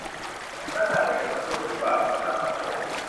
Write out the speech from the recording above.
พนักงานเอกชนผู้ถือบัตรประกันสังคม